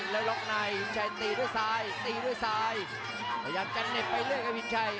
แล้วลอกในศัยตีด้วยซ้ายซีย์ด้วยซ้ายประหยัดจะเน็ตไปเลือกไอ้ผิดไช่